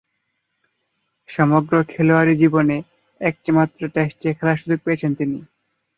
সমগ্র খেলোয়াড়ী জীবনে একটিমাত্র টেস্টে খেলার সুযোগ পেয়েছেন তিনি।